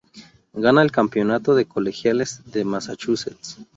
Gana el campeonato de Colegiales de Massachusetts.